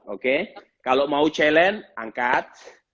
oke kalau mau challenge angkat